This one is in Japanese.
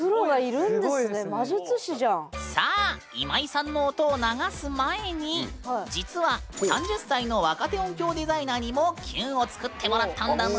さあ今井さんの音を流す前に実は３０歳の若手音響デザイナーにも「キュン」を作ってもらったんだぬ。